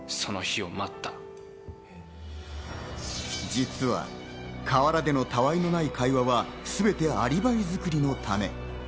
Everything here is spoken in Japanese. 実は河原での他愛もない会話はすべてアリバイ作りのため。